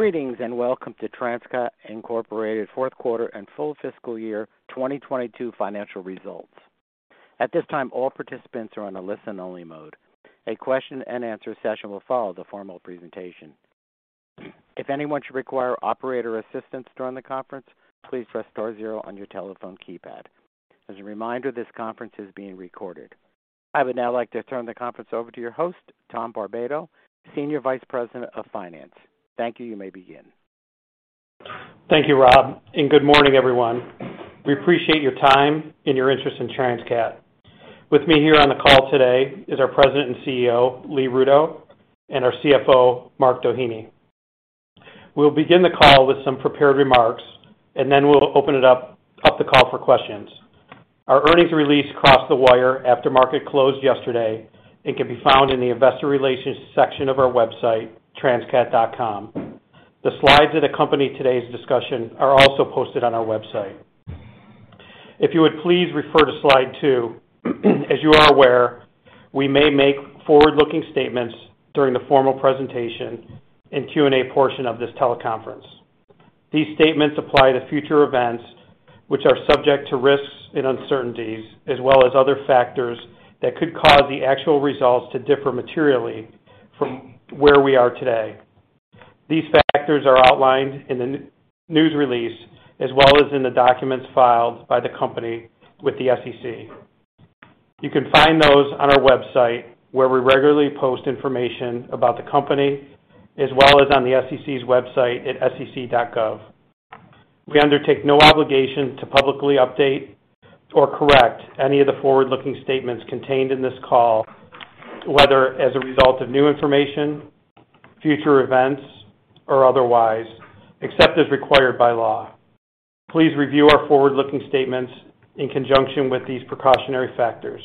Greetings, welcome to Transcat, Inc. fourth quarter and full fiscal year 2022 financial results. At this time, all participants are on a listen-only mode. A question-and-answer session will follow the formal presentation. If anyone should require operator assistance during the conference, please press star zero on your telephone keypad. As a reminder, this conference is being recorded. I would now like to turn the conference over to your host, Tom Barbato, Senior Vice President of Finance. Thank you. You may begin. Thank you, Rob, and good morning, everyone. We appreciate your time and your interest in Transcat. With me here on the call today is our President and CEO, Lee Rudow, and our CFO, Mark Doheny. We'll begin the call with some prepared remarks, and then we'll open it up, the call for questions. Our earnings release crossed the wire after market closed yesterday and can be found in the investor relations section of our website, transcat.com. The slides that accompany today's discussion are also posted on our website. If you would please refer to slide two. As you are aware, we may make forward-looking statements during the formal presentation and Q&A portion of this teleconference. These statements apply to future events, which are subject to risks and uncertainties, as well as other factors that could cause the actual results to differ materially from where we are today. These factors are outlined in the news release as well as in the documents filed by the company with the SEC. You can find those on our website, where we regularly post information about the company, as well as on the SEC's website at sec.gov. We undertake no obligation to publicly update or correct any of the forward-looking statements contained in this call, whether as a result of new information, future events, or otherwise, except as required by law. Please review our forward-looking statements in conjunction with these precautionary factors.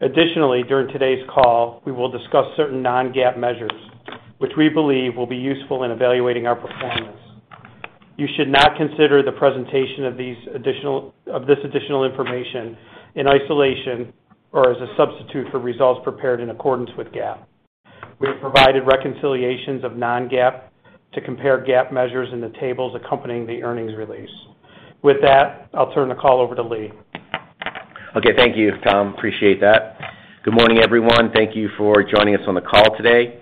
Additionally, during today's call, we will discuss certain non-GAAP measures which we believe will be useful in evaluating our performance. You should not consider the presentation of this additional information in isolation or as a substitute for results prepared in accordance with GAAP. We have provided reconciliations of non-GAAP to GAAP measures in the tables accompanying the earnings release. With that, I'll turn the call over to Lee. Okay. Thank you, Tom. Appreciate that. Good morning, everyone. Thank you for joining us on the call today.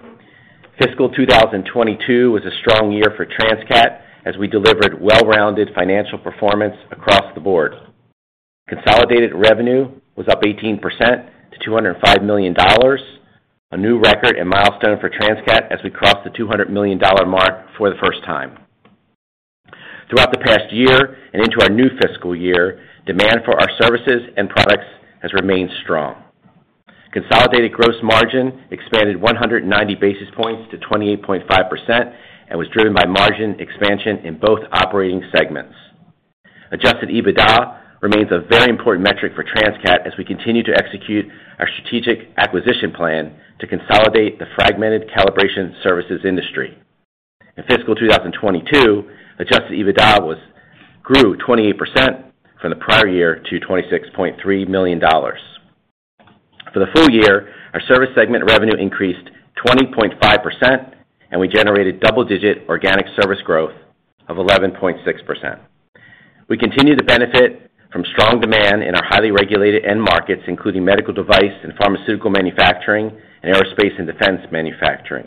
Fiscal 2022 was a strong year for Transcat as we delivered well-rounded financial performance across the board. Consolidated revenue was up 18% to $205 million, a new record and milestone for Transcat as we crossed the $200 million mark for the first time. Throughout the past year and into our new fiscal year, demand for our services and products has remained strong. Consolidated gross margin expanded 190 basis points to 28.5% and was driven by margin expansion in both operating segments. Adjusted EBITDA remains a very important metric for Transcat as we continue to execute our strategic acquisition plan to consolidate the fragmented calibration services industry. In fiscal 2022, adjusted EBITDA grew 28% from the prior year to $26.3 million. For the full year, our service segment revenue increased 20.5%, and we generated double-digit organic service growth of 11.6%. We continue to benefit from strong demand in our highly regulated end markets, including medical device and pharmaceutical manufacturing and aerospace and defense manufacturing.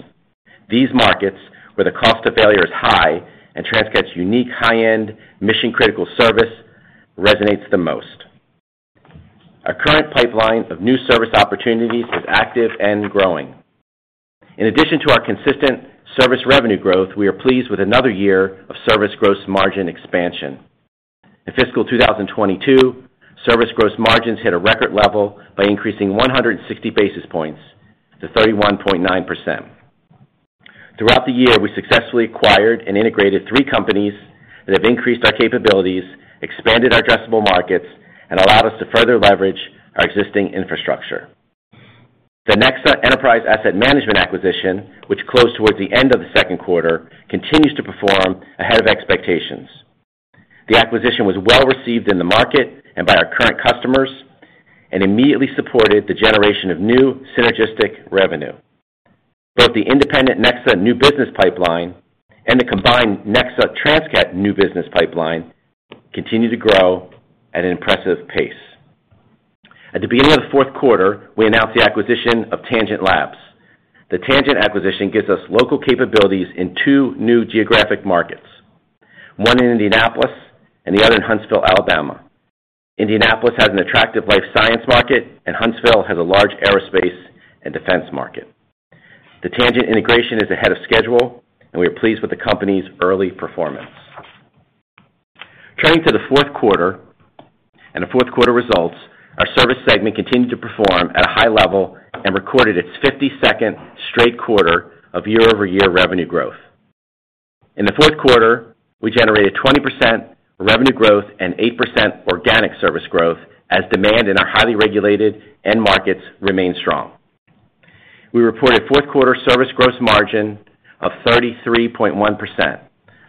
These markets where the cost of failure is high and Transcat's unique high-end mission-critical service resonates the most. Our current pipeline of new service opportunities is active and growing. In addition to our consistent service revenue growth, we are pleased with another year of service gross margin expansion. In fiscal 2022, service gross margins hit a record level by increasing 160 basis points to 31.9%. Throughout the year, we successfully acquired and integrated three companies that have increased our capabilities, expanded our addressable markets, and allowed us to further leverage our existing infrastructure. The NEXA Enterprise Asset Management acquisition, which closed towards the end of the second quarter, continues to perform ahead of expectations. The acquisition was well-received in the market and by our current customers and immediately supported the generation of new synergistic revenue. Both the independent NEXA new business pipeline and the combined NEXA Transcat new business pipeline continue to grow at an impressive pace. At the beginning of the fourth quarter, we announced the acquisition of Tangent Labs. The Tangent acquisition gives us local capabilities in two new geographic markets, one in Indianapolis and the other in Huntsville, Alabama. Indianapolis has an attractive life science market, and Huntsville has a large aerospace and defense market. The Tangent integration is ahead of schedule, and we are pleased with the company's early performance. Turning to the fourth quarter and the fourth quarter results, our service segment continued to perform at a high level and recorded its 52nd straight quarter of year-over-year revenue growth. In the fourth quarter, we generated 20% revenue growth and 8% organic service growth as demand in our highly regulated end markets remained strong. We reported fourth quarter service gross margin of 33.1%.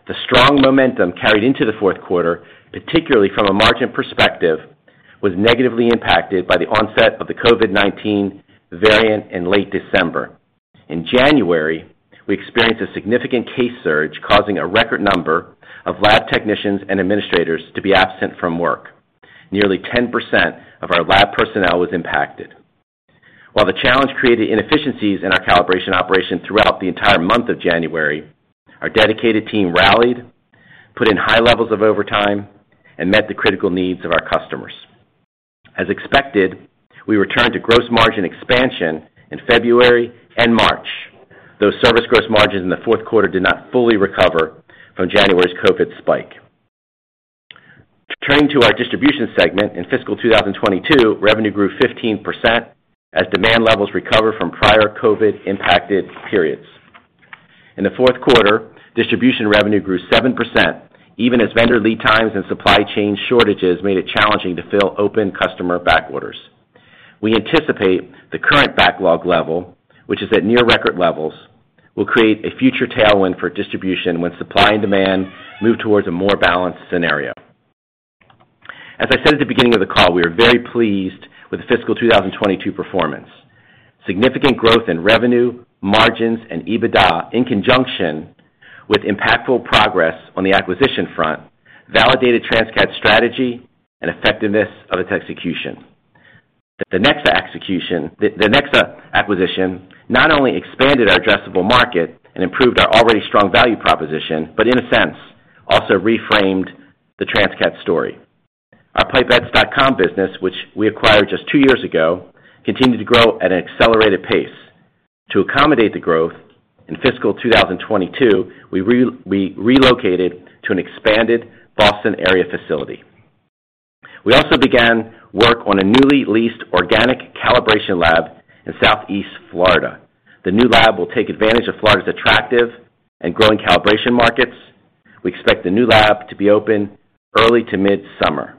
The strong momentum carried into the fourth quarter, particularly from a margin perspective, was negatively impacted by the onset of the COVID-19 variant in late December. In January, we experienced a significant case surge, causing a record number of lab technicians and administrators to be absent from work. Nearly 10% of our lab personnel was impacted. While the challenge created inefficiencies in our calibration operation throughout the entire month of January, our dedicated team rallied, put in high levels of overtime, and met the critical needs of our customers. As expected, we returned to gross margin expansion in February and March, though service gross margins in the fourth quarter did not fully recover from January's COVID spike. Turning to our distribution segment, in fiscal 2022, revenue grew 15% as demand levels recover from prior COVID-impacted periods. In the fourth quarter, distribution revenue grew 7%, even as vendor lead times and supply chain shortages made it challenging to fill open customer back orders. We anticipate the current backlog level, which is at near record levels, will create a future tailwind for distribution when supply and demand move towards a more balanced scenario. As I said at the beginning of the call, we are very pleased with the fiscal 2022 performance. Significant growth in revenue, margins, and EBITDA, in conjunction with impactful progress on the acquisition front, validated Transcat's strategy and effectiveness of its execution. The next acquisition not only expanded our addressable market and improved our already strong value proposition, but in a sense, also reframed the Transcat story. Our pipettes.com business, which we acquired just two years ago, continued to grow at an accelerated pace. To accommodate the growth, in fiscal 2022, we relocated to an expanded Boston area facility. We also began work on a newly leased organic calibration lab in Southeast Florida. The new lab will take advantage of Florida's attractive and growing calibration markets. We expect the new lab to be open early to mid-summer.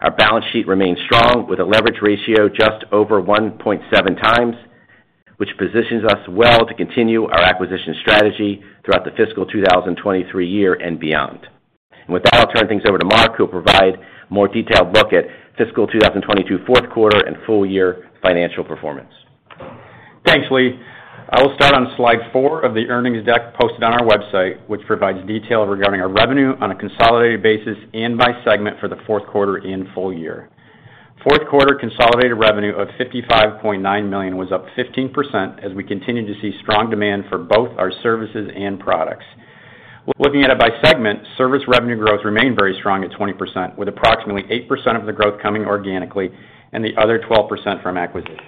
Our balance sheet remains strong with a leverage ratio just over 1.7 times, which positions us well to continue our acquisition strategy throughout the fiscal 2023 year and beyond. With that, I'll turn things over to Mark, who will provide more detailed look at fiscal 2022 fourth quarter and full year financial performance. Thanks, Lee. I will start on slide four of the earnings deck posted on our website, which provides detail regarding our revenue on a consolidated basis and by segment for the fourth quarter and full year. Fourth quarter consolidated revenue of $55.9 million was up 15% as we continue to see strong demand for both our services and products. Looking at it by segment, service revenue growth remained very strong at 20%, with approximately 8% of the growth coming organically and the other 12% from acquisitions.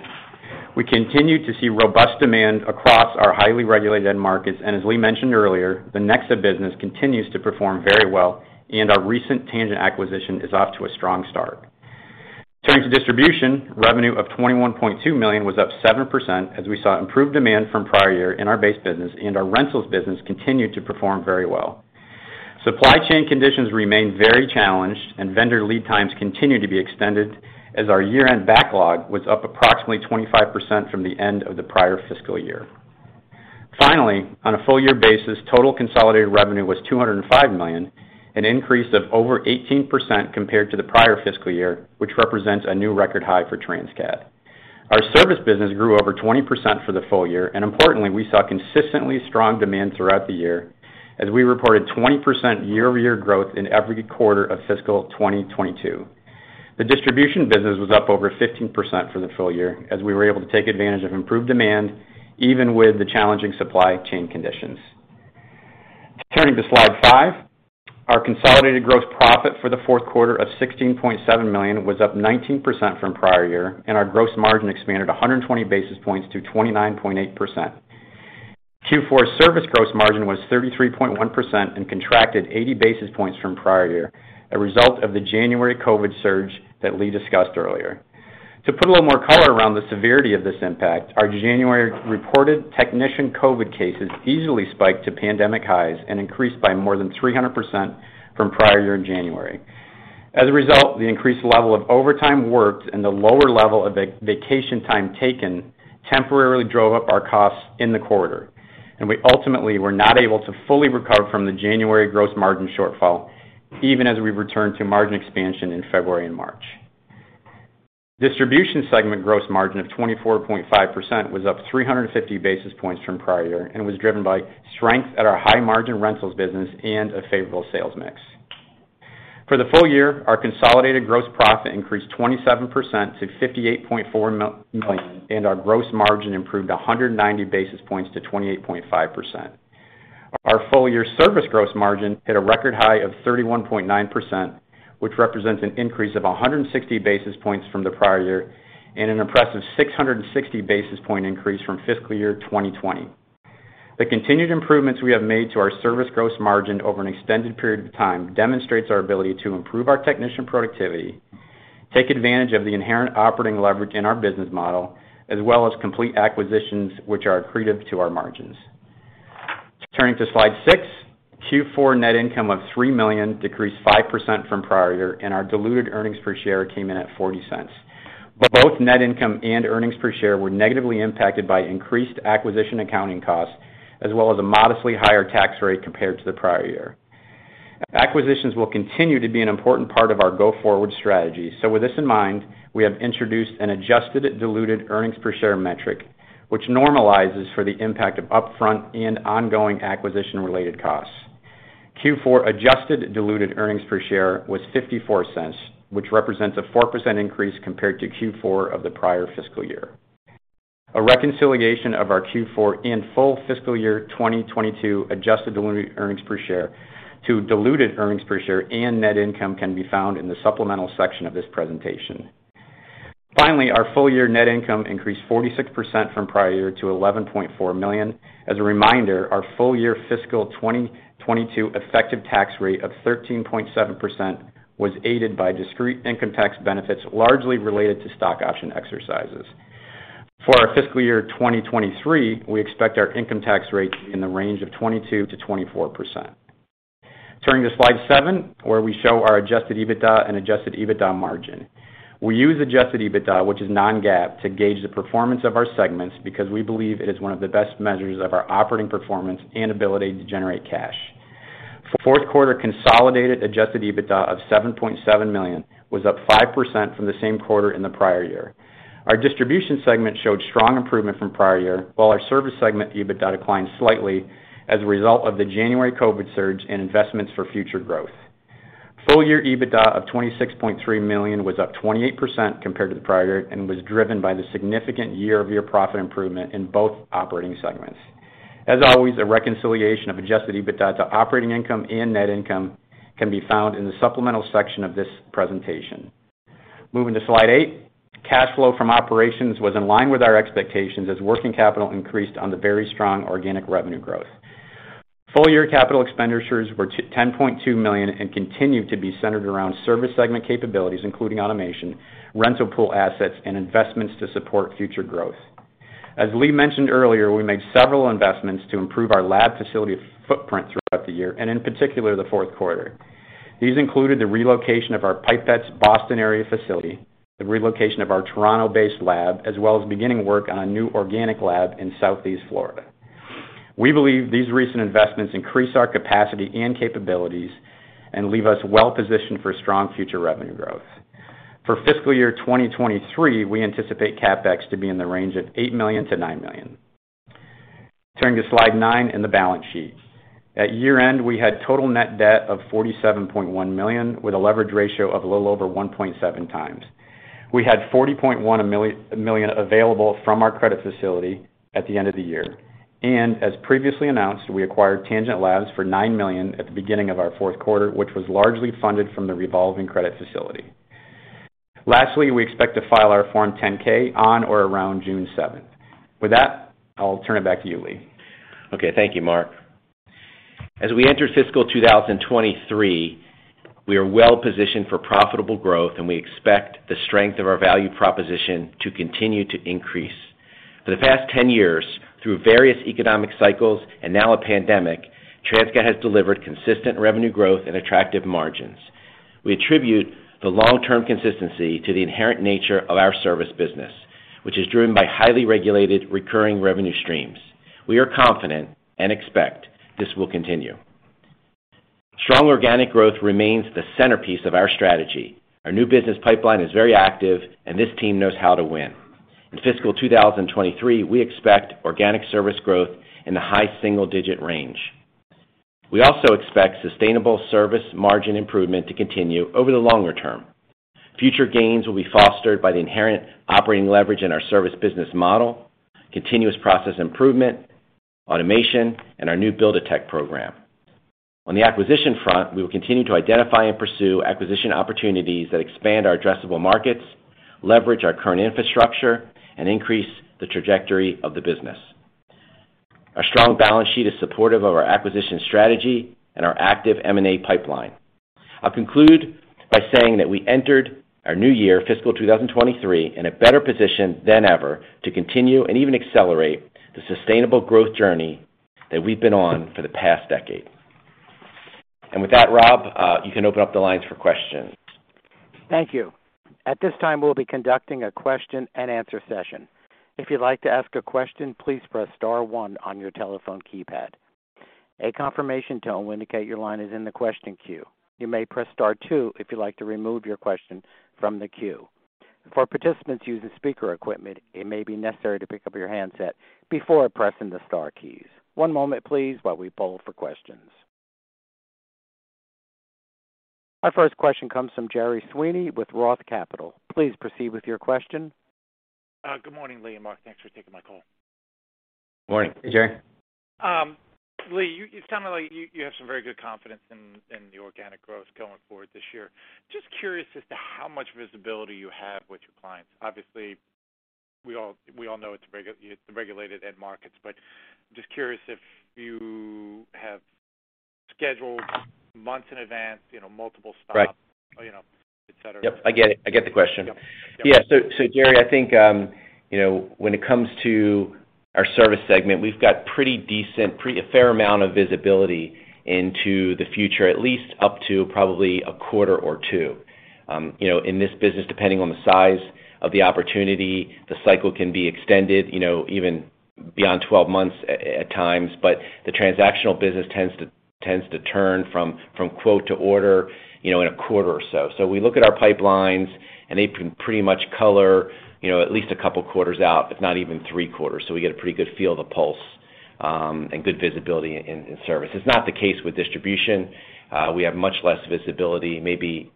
We continue to see robust demand across our highly regulated end markets. As Lee mentioned earlier, the NEXA business continues to perform very well, and our recent Tangent acquisition is off to a strong start. Turning to distribution, revenue of $21.2 million was up 7% as we saw improved demand from prior year in our base business, and our rentals business continued to perform very well. Supply chain conditions remained very challenged and vendor lead times continue to be extended as our year-end backlog was up approximately 25% from the end of the prior fiscal year. Finally, on a full year basis, total consolidated revenue was $205 million, an increase of over 18% compared to the prior fiscal year, which represents a new record high for Transcat. Our service business grew over 20% for the full year, and importantly, we saw consistently strong demand throughout the year as we reported 20% year-over-year growth in every quarter of fiscal 2022. The distribution business was up over 15% for the full year as we were able to take advantage of improved demand even with the challenging supply chain conditions. Turning to slide five. Our consolidated gross profit for the fourth quarter of $16.7 million was up 19% from prior year, and our gross margin expanded 120 basis points to 29.8%. Q4 service gross margin was 33.1% and contracted 80 basis points from prior year, a result of the January COVID surge that Lee discussed earlier. To put a little more color around the severity of this impact, our January reported technician COVID cases easily spiked to pandemic highs and increased by more than 300% from prior year in January. As a result, the increased level of overtime worked and the lower level of vacation time taken temporarily drove up our costs in the quarter, and we ultimately were not able to fully recover from the January gross margin shortfall, even as we returned to margin expansion in February and March. Distribution segment gross margin of 24.5% was up 350 basis points from prior year and was driven by strength at our high margin rentals business and a favorable sales mix. For the full year, our consolidated gross profit increased 27% to $58.4 million, and our gross margin improved 190 basis points to 28.5%. Our full year service gross margin hit a record high of 31.9%, which represents an increase of 160 basis points from the prior year and an impressive 660 basis point increase from fiscal year 2020. The continued improvements we have made to our service gross margin over an extended period of time demonstrates our ability to improve our technician productivity, take advantage of the inherent operating leverage in our business model, as well as complete acquisitions which are accretive to our margins. Turning to slide six. Q4 net income of $3 million decreased 5% from prior year, and our diluted earnings per share came in at $0.40. Both net income and earnings per share were negatively impacted by increased acquisition accounting costs, as well as a modestly higher tax rate compared to the prior year. Acquisitions will continue to be an important part of our go-forward strategy. With this in mind, we have introduced an adjusted diluted earnings per share metric, which normalizes for the impact of upfront and ongoing acquisition-related costs. Q4 adjusted diluted earnings per share was $0.54, which represents a 4% increase compared to Q4 of the prior fiscal year. A reconciliation of our Q4 and full fiscal year 2022 adjusted diluted earnings per share to diluted earnings per share and net income can be found in the supplemental section of this presentation. Finally, our full year net income increased 46% from prior year to $11.4 million. As a reminder, our full year fiscal 2022 effective tax rate of 13.7% was aided by discrete income tax benefits, largely related to stock option exercises. For our fiscal year 2023, we expect our income tax rate in the range of 22%-24%. Turning to slide seven, where we show our adjusted EBITDA and adjusted EBITDA margin. We use adjusted EBITDA, which is non-GAAP, to gauge the performance of our segments because we believe it is one of the best measures of our operating performance and ability to generate cash. Fourth quarter consolidated adjusted EBITDA of $7.7 million was up 5% from the same quarter in the prior year. Our distribution segment showed strong improvement from prior year, while our service segment EBITDA declined slightly as a result of the January COVID surge and investments for future growth. Full year EBITDA of $26.3 million was up 28% compared to the prior year and was driven by the significant year-over-year profit improvement in both operating segments. As always, a reconciliation of Adjusted EBITDA to operating income and net income can be found in the supplemental section of this presentation. Moving to slide eigh, cash flow from operations was in line with our expectations as working capital increased on the very strong organic revenue growth. Full year capital expenditures were $10.2 million and continue to be centered around service segment capabilities, including automation, rental pool assets, and investments to support future growth. As Lee mentioned earlier, we made several investments to improve our lab facility footprint throughout the year and in particular, the fourth quarter. These included the relocation of our Pipettes Boston area facility, the relocation of our Toronto-based lab, as well as beginning work on a new organic lab in Southeast Florida. We believe these recent investments increase our capacity and capabilities and leave us well-positioned for strong future revenue growth. For fiscal year 2023, we anticipate CapEx to be in the range of $8 million-$9 million. Turning to slide 9 and the balance sheet. At year-end, we had total net debt of $47.1 million, with a leverage ratio of a little over 1.7 times. We had $40.1 million available from our credit facility at the end of the year. As previously announced, we acquired Tangent Labs for $9 million at the beginning of our fourth quarter, which was largely funded from the revolving credit facility. Lastly, we expect to file our Form 10-K on or around June 7. With that, I'll turn it back to you, Lee. Okay. Thank you, Mark. As we enter fiscal 2023, we are well positioned for profitable growth, and we expect the strength of our value proposition to continue to increase. For the past 10 years, through various economic cycles and now a pandemic, Transcat has delivered consistent revenue growth and attractive margins. We attribute the long-term consistency to the inherent nature of our service business, which is driven by highly regulated recurring revenue streams. We are confident and expect this will continue. Strong organic growth remains the centerpiece of our strategy. Our new business pipeline is very active, and this team knows how to win. In fiscal 2023, we expect organic service growth in the high single-digit range. We also expect sustainable service margin improvement to continue over the longer term. Future gains will be fostered by the inherent operating leverage in our service business model, continuous process improvement, automation, and our new Build-A-Tech program. On the acquisition front, we will continue to identify and pursue acquisition opportunities that expand our addressable markets, leverage our current infrastructure, and increase the trajectory of the business. Our strong balance sheet is supportive of our acquisition strategy and our active M&A pipeline. I'll conclude by saying that we entered our new year, fiscal 2023 in a better position than ever to continue and even accelerate the sustainable growth journey that we've been on for the past decade. With that, Rob, you can open up the lines for questions. Thank you. At this time, we'll be conducting a question-and-answer session. If you'd like to ask a question, please press star one on your telephone keypad. A confirmation tone will indicate your line is in the question queue. You may press star two if you'd like to remove your question from the queue. For participants using speaker equipment, it may be necessary to pick up your handset before pressing the star keys. One moment, please, while we poll for questions. Our first question comes from Gerry Sweeney with Roth Capital. Please proceed with your question. Good morning, Lee and Mark. Thanks for taking my call. Good morning, Gerry. Lee, it sounded like you have some very good confidence in the organic growth going forward this year. Just curious as to how much visibility you have with your clients. Obviously, we all know it's regulated end markets, but just curious if you have scheduled months in advance, you know, multiple stops. Right. You know, et cetera. Yep, I get it. I get the question. Yep. Yeah. Gerry, I think you know when it comes to our service segment, we've got pretty decent a fair amount of visibility into the future, at least up to probably a quarter or two. You know, in this business, depending on the size of the opportunity, the cycle can be extended, you know, even beyond 12 months at times. The transactional business tends to turn from quote to order, you know, in a quarter or so. We look at our pipelines, and they can pretty much color, you know, at least a couple quarters out, if not even three quarters. We get a pretty good feel of the pulse and good visibility in service. It's not the case with distribution. We have much less visibility, maybe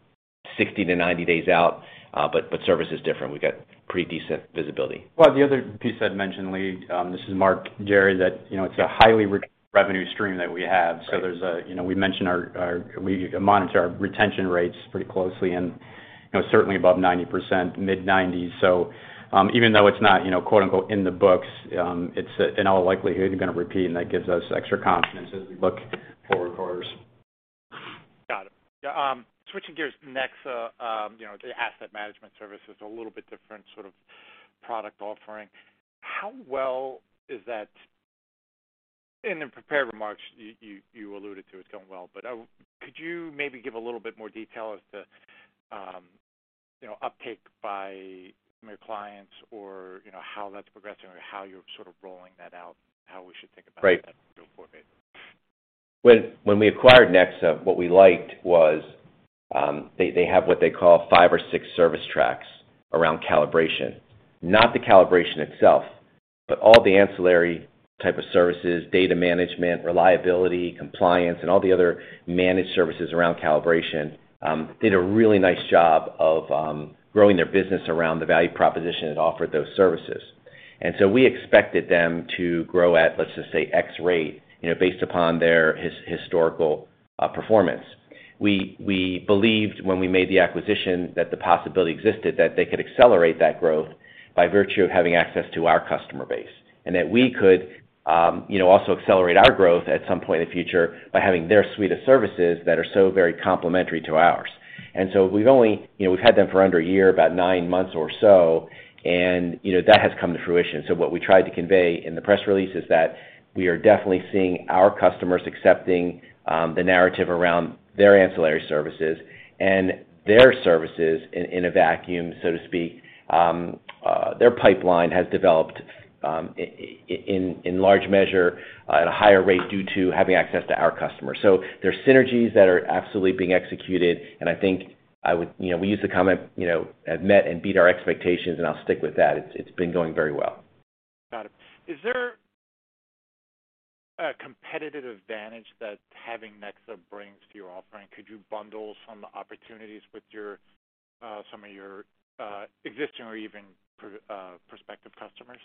60-90 days out, but service is different. We've got pretty decent visibility. Well, the other piece I'd mention, Lee, this is Mark Doheny, that, you know, it's a highly recurring revenue stream that we have. We monitor our retention rates pretty closely, and, you know, certainly above 90%, mid-90s. Even though it's not, you know quote unquote, "in the books," it's in all likelihood gonna repeat, and that gives us extra confidence as we look forward quarters. Got it. Switching gears. NEXA, you know, the asset management service is a little bit different sort of product offering. How well is that? In the prepared remarks, you alluded to it's going well, but could you maybe give a little bit more detail as to, you know, uptake by some of your clients or, you know, how that's progressing or how you're sort of rolling that out, how we should think about that? Right Going forward? When we acquired NEXA, what we liked was, they have what they call five or six service tracks around calibration. Not the calibration itself, but all the ancillary type of services, data management, reliability, compliance, and all the other managed services around calibration, did a really nice job of growing their business around the value proposition that offered those services. We expected them to grow at, let's just say, X rate, you know, based upon their historical performance. We believed when we made the acquisition that the possibility existed that they could accelerate that growth by virtue of having access to our customer base, and that we could also accelerate our growth at some point in the future by having their suite of services that are so very complementary to ours. We've only had them for under a year, about 9 months or so, and that has come to fruition. What we tried to convey in the press release is that we are definitely seeing our customers accepting the narrative around their ancillary services and their services in a vacuum, so to speak. Their pipeline has developed in large measure at a higher rate due to having access to our customers. There are synergies that are absolutely being executed, and I think I would, you know, we use the comment, you know, have met and beat our expectations, and I'll stick with that. It's been going very well. Got it. Is there a competitive advantage that having NEXA brings to your offering? Could you bundle some opportunities with some of your existing or even prospective customers?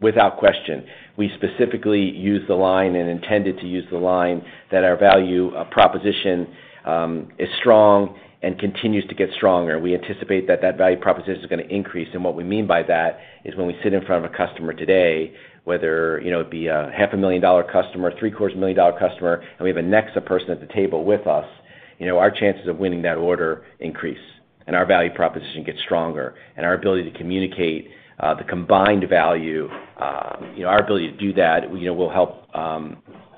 Without question. We specifically use the line and intend to use the line that our value proposition is strong and continues to get stronger. We anticipate that value proposition is gonna increase. What we mean by that is when we sit in front of a customer today, whether you know it be a half a million-dollar customer, three-quarters million-dollar customer, and we have a NEXA person at the table with us, you know, our chances of winning that order increase, and our value proposition gets stronger. Our ability to communicate the combined value, you know, our ability to do that, you know, will help,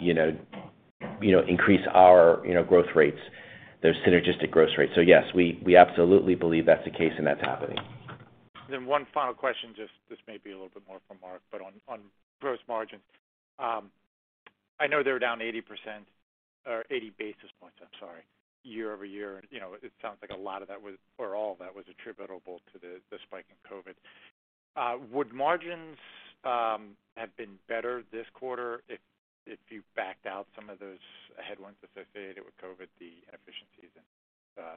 you know, increase our, you know, growth rates, those synergistic growth rates. Yes, we absolutely believe that's the case, and that's happening. One final question, just this may be a little bit more for Mark, but on gross margins. I know they were down 80% or 80 basis points, I'm sorry, year-over-year. You know, it sounds like a lot of that was or all of that was attributable to the spike in COVID. Would margins have been better this quarter if you backed out some of those headwinds associated with COVID, the inefficiencies and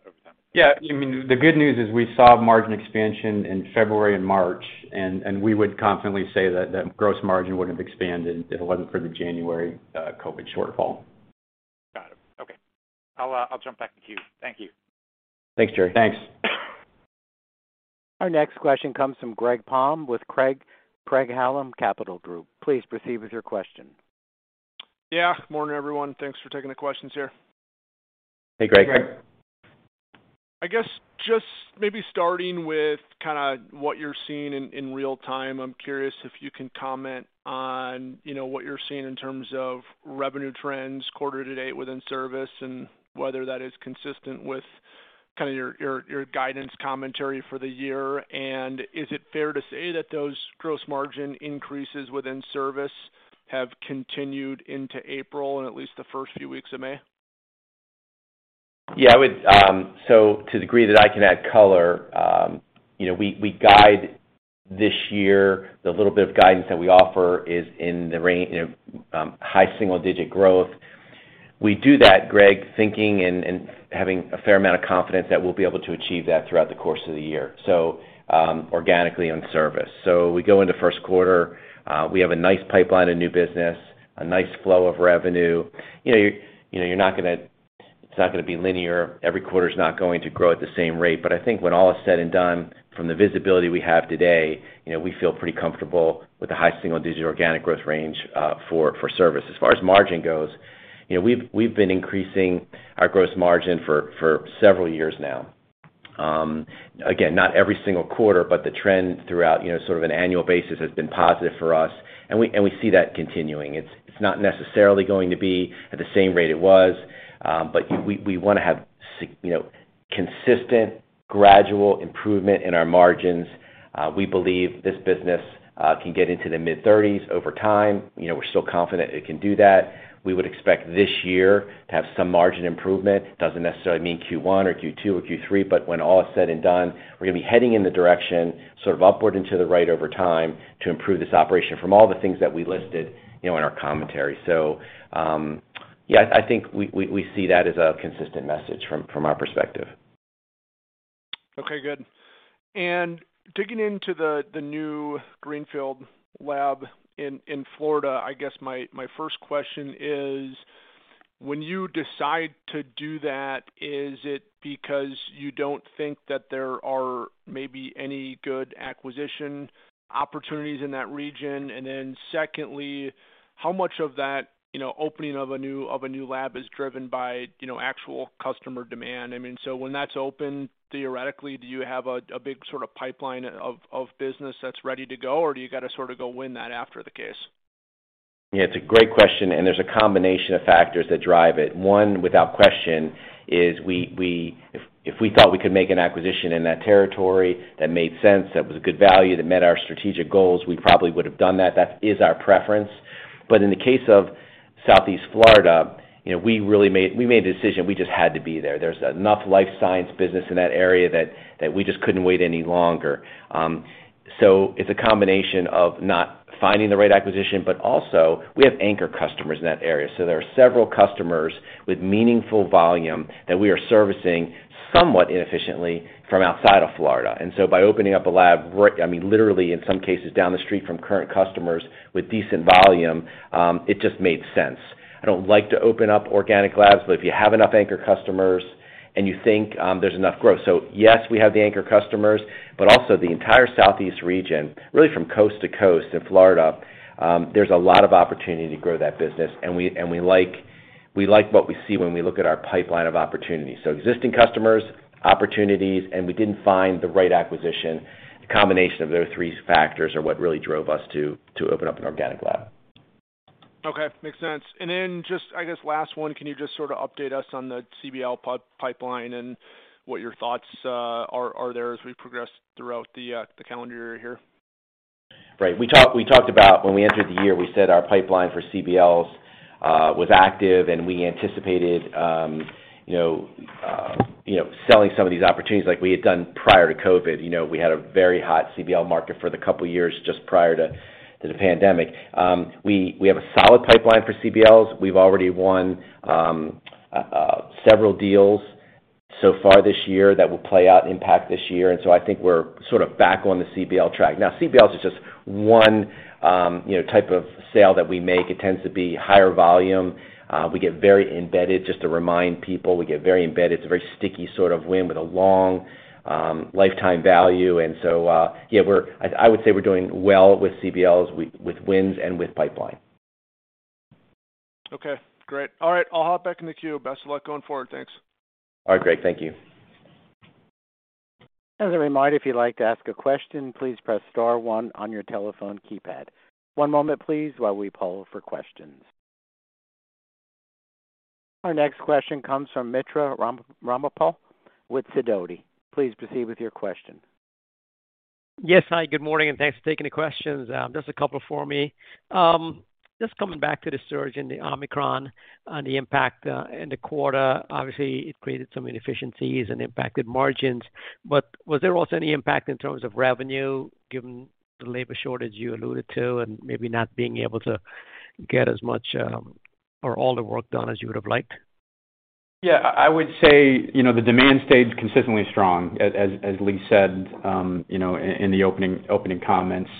overtime? Yeah. I mean, the good news is we saw margin expansion in February and March, and we would confidently say that that gross margin would have expanded if it wasn't for the January, COVID shortfall. Got it. Okay. I'll jump back in the queue. Thank you. Thanks, Gerry. Thanks. Our next question comes from Greg Palm with Craig-Hallum Capital Group. Please proceed with your question. Yeah. Morning, everyone. Thanks for taking the questions here. Hey, Greg. Hey, Greg. I guess just maybe starting with kinda what you're seeing in real time, I'm curious if you can comment on, you know, what you're seeing in terms of revenue trends quarter to date within service and whether that is consistent with kind of your guidance commentary for the year. Is it fair to say that those gross margin increases within service have continued into April and at least the first few weeks of May? Yeah. I would. To the degree that I can add color, you know, we guide this year. The little bit of guidance that we offer is in the range, you know, high single-digit growth. We do that, Greg, thinking and having a fair amount of confidence that we'll be able to achieve that throughout the course of the year. Organically on service. We go into first quarter, we have a nice pipeline of new business, a nice flow of revenue. You know, it's not gonna be linear. Every quarter is not going to grow at the same rate. I think when all is said and done, from the visibility we have today, you know, we feel pretty comfortable with the high single digit organic growth range, for service. As far as margin goes, you know, we've been increasing our gross margin for several years now. Again, not every single quarter, but the trend throughout, you know, sort of an annual basis has been positive for us, and we see that continuing. It's not necessarily going to be at the same rate it was, but we wanna have you know, consistent gradual improvement in our margins. We believe this business can get into the mid-thirties over time. You know, we're still confident it can do that. We would expect this year to have some margin improvement. Doesn't necessarily mean Q1 or Q2 or Q3, but when all is said and done, we're gonna be heading in the direction, sort of upward and to the right over time, to improve this operation from all the things that we listed, you know, in our commentary. Yeah, I think we see that as a consistent message from our perspective. Okay, good. Digging into the new greenfield lab in Florida, I guess my first question is, when you decide to do that, is it because you don't think that there are maybe any good acquisition opportunities in that region? Then secondly, how much of that, you know, opening of a new lab is driven by, you know, actual customer demand? I mean, when that's open, theoretically, do you have a big sort of pipeline of business that's ready to go, or do you gotta sort of go win that after the case? Yeah, it's a great question, and there's a combination of factors that drive it. One, without question, is we if we thought we could make an acquisition in that territory that made sense, that was a good value, that met our strategic goals, we probably would have done that. That is our preference. In the case of Southeast Florida, you know, we made a decision, we just had to be there. There's enough life science business in that area that we just couldn't wait any longer. It's a combination of not finding the right acquisition, but also we have anchor customers in that area. There are several customers with meaningful volume that we are servicing somewhat inefficiently from outside of Florida. By opening up a lab right, I mean, literally in some cases down the street from current customers with decent volume, it just made sense. I don't like to open up organic labs, but if you have enough anchor customers and you think there's enough growth. Yes, we have the anchor customers, but also the entire Southeast region, really from coast to coast in Florida, there's a lot of opportunity to grow that business. We like what we see when we look at our pipeline of opportunities. Existing customers, opportunities, and we didn't find the right acquisition. The combination of those three factors are what really drove us to open up an organic lab. Okay. Makes sense. Then just, I guess, last one, can you just sort of update us on the CBL pipeline and what your thoughts are there as we progress throughout the calendar year here? Right. We talked about when we entered the year, we said our pipeline for CBLs was active, and we anticipated you know selling some of these opportunities like we had done prior to COVID. You know, we had a very hot CBL market for the couple years just prior to the pandemic. We have a solid pipeline for CBLs. We've already won several deals so far this year that will play out impact this year. I think we're sort of back on the CBL track. Now, CBLs is just one you know type of sale that we make. It tends to be higher volume. We get very embedded, just to remind people. It's a very sticky sort of win with a long lifetime value. I would say we're doing well with CBLs, with wins and with pipeline. Okay, great. All right. I'll hop back in the queue. Best of luck going forward. Thanks. All right, Greg. Thank you. As a reminder, if you'd like to ask a question, please press star one on your telephone keypad. One moment, please, while we poll for questions. Our next question comes from Mitra Ramgopal with Sidoti. Please proceed with your question. Yes. Hi, good morning, and thanks for taking the questions. Just a couple for me. Just coming back to the surge in the Omicron on the impact in the quarter. Obviously, it created some inefficiencies and impacted margins. Was there also any impact in terms of revenue given the labor shortage you alluded to and maybe not being able to get as much or all the work done as you would have liked? Yeah. I would say, you know, the demand stayed consistently strong as Lee said in the opening comments.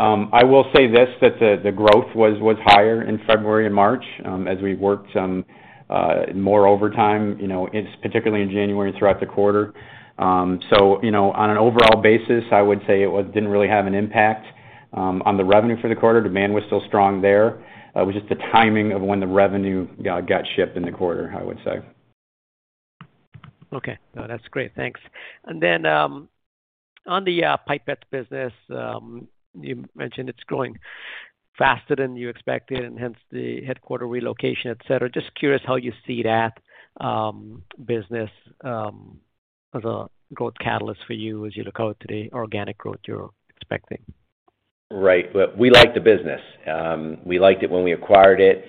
I will say this, that the growth was higher in February and March as we worked more overtime, you know, particularly in January and throughout the quarter. You know, on an overall basis, I would say it didn't really have an impact on the revenue for the quarter. Demand was still strong there. It was just the timing of when the revenue got shipped in the quarter, I would say. Okay. No, that's great. Thanks. On the Pipettes business, you mentioned it's growing faster than you expected and hence the headquarters relocation, et cetera. Just curious how you see that business as a growth catalyst for you as you look out to the organic growth you're expecting. Right. We like the business. We liked it when we acquired it.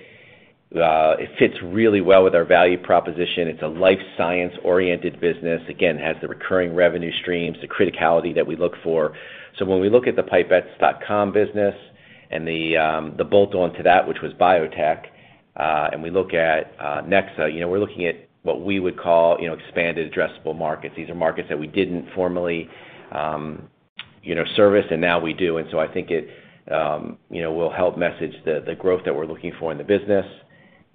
It fits really well with our value proposition. It's a life science-oriented business. Again, has the recurring revenue streams, the criticality that we look for. When we look at the pipettes.com business and the bolt-on to that, which was BioTek, and we look at NEXA, you know, we're looking at what we would call, you know, expanded addressable markets. These are markets that we didn't formally, you know, service, and now we do. I think it, you know, will help message the growth that we're looking for in the business.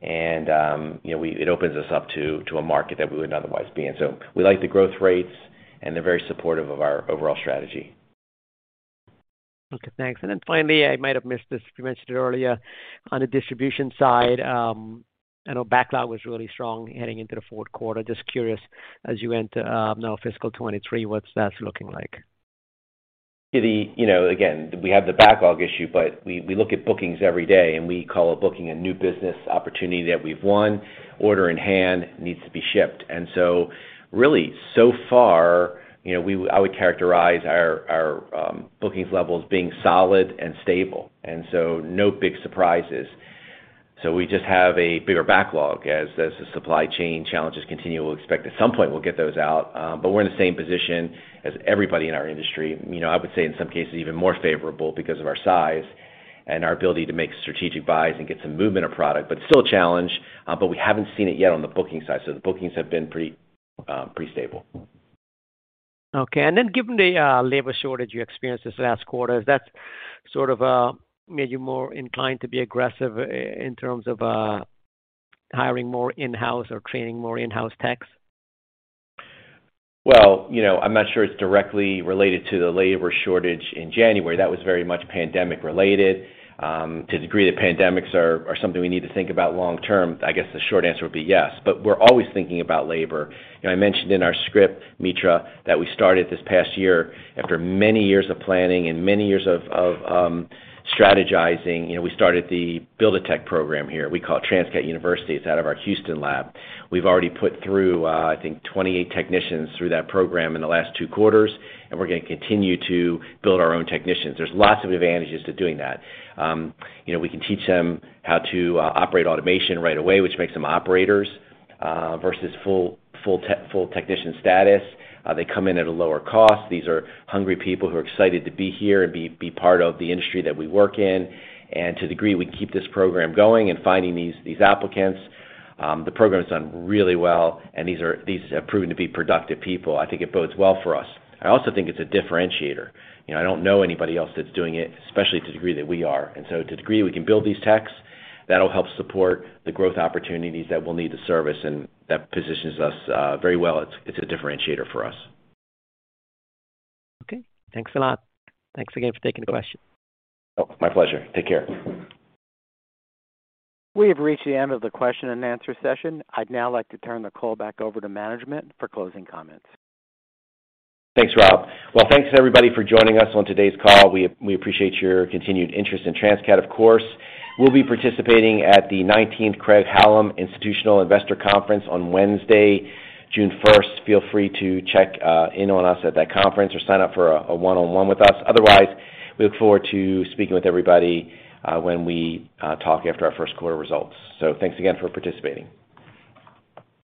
You know, it opens us up to a market that we wouldn't otherwise be in. We like the growth rates, and they're very supportive of our overall strategy. Okay, thanks. Finally, I might have missed this. You mentioned earlier on the distribution side, I know backlog was really strong heading into the fourth quarter. Just curious as you went, now fiscal 2023, what's that looking like? You know, again, we have the backlog issue, but we look at bookings every day, and we call a booking a new business opportunity that we've won. Order in hand needs to be shipped. Really so far, you know, I would characterize our bookings levels being solid and stable, so no big surprises. We just have a bigger backlog as the supply chain challenges continue. We'll expect at some point we'll get those out, but we're in the same position as everybody in our industry. You know, I would say in some cases even more favorable because of our size and our ability to make strategic buys and get some movement of product. Still a challenge, but we haven't seen it yet on the booking side. The bookings have been pretty stable. Okay. Given the labor shortage you experienced this last quarter, has that sort of made you more inclined to be aggressive in terms of hiring more in-house or training more in-house techs? Well, you know, I'm not sure it's directly related to the labor shortage in January. That was very much pandemic related. To the degree that pandemics are something we need to think about long term, I guess the short answer would be yes. We're always thinking about labor. You know, I mentioned in our script, Mitra, that we started this past year after many years of planning and many years of strategizing. You know, we started the Build-A-Tech program here. We call it Transcat University. It's out of our Houston lab. We've already put through, I think 28 technicians through that program in the last two quarters, and we're gonna continue to build our own technicians. There's lots of advantages to doing that. You know, we can teach them how to operate automation right away, which makes them operators versus full technician status. They come in at a lower cost. These are hungry people who are excited to be here and be part of the industry that we work in. To the degree we can keep this program going and finding these applicants, the program's done really well and these have proven to be productive people. I think it bodes well for us. I also think it's a differentiator. You know, I don't know anybody else that's doing it, especially to the degree that we are. To the degree we can build these techs, that'll help support the growth opportunities that we'll need to service and that positions us very well. It's a differentiator for us. Okay. Thanks a lot. Thanks again for taking the question. Oh, my pleasure. Take care. We have reached the end of the question and answer session. I'd now like to turn the call back over to management for closing comments. Thanks, Rob. Well, thanks everybody for joining us on today's call. We appreciate your continued interest in Transcat, of course. We'll be participating at the nineteenth Craig-Hallum Institutional Investor Conference on Wednesday, June first. Feel free to check in on us at that conference or sign up for a one-on-one with us. Otherwise, we look forward to speaking with everybody when we talk after our first quarter results. Thanks again for participating.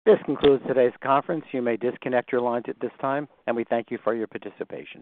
This concludes today's conference. You may disconnect your lines at this time, and we thank you for your participation.